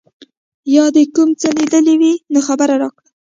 یا دي کوم څه لیدلي وي نو خبر راکړه.